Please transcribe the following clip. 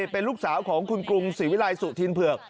เป็นลูกสาวของคุณกรุงศรีวิรัยสุธินเผือก